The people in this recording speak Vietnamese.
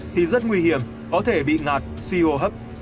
thì rất nguy hiểm có thể bị ngạt suy hô hấp